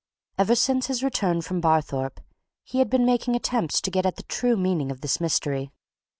Ever since his return from Barthorpe he had been making attempts to get at the true meaning of this mystery.